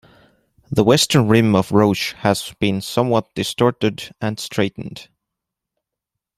The western rim of Roche has been somewhat distorted and straightened.